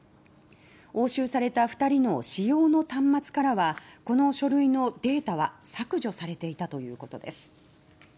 押収された２人の私用の端末からはこの書類のデータは削除されていたということです。